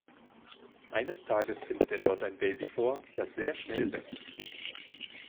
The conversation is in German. Eines Tages findet er dort ein Baby vor, das sehr schnell wächst.